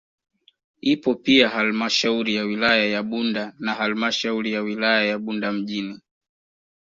Ipo pia halmashauri ya wilaya ya Bunda na halmashauri ya wilaya ya Bunda mjini